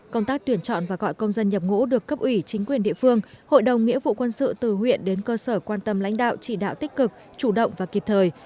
công tác tuyển chọn và gọi công dân nhập ngũ được cấp ủy chính quyền địa phương hội đồng nghĩa vụ quân sự từ huyện đến cơ sở quan tâm lãnh đạo chỉ đạo tích cực chủ động và kịp thời